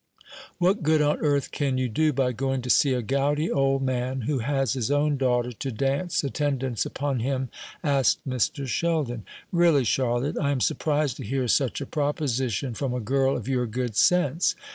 "What good on earth can you do by going to see a gouty old man, who has his own daughter to dance attendance upon him?" asked Mr. Sheldon. "Really, Charlotte, I am surprised to hear such a proposition from a girl of your good sense.